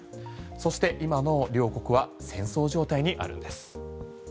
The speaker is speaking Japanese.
そして、今の両国は戦争状態にあるんです。